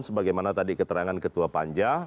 sebagaimana tadi keterangan ketua panja